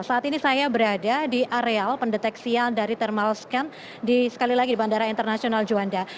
saat ini saya berada di areal pendeteksian dari thermal scan di sekali lagi di bandara internasional juanda